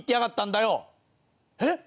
「えっ？